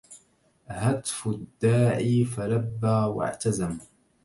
هتف الداعي فلبى واعتزم